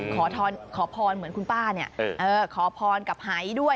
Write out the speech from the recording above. ขอพรเหมือนคุณป้าเนี่ยขอพรกับหายด้วย